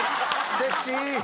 セクシー！